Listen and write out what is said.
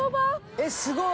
えっすごい！